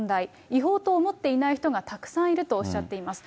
違法と思っていない人がたくさんいるとおっしゃっています。